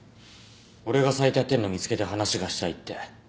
俺がサイトやってんの見つけて話がしたいって。